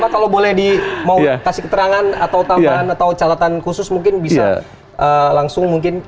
pak kalau boleh mau dikasih keterangan atau tambahan atau catatan khusus mungkin bisa langsung mungkin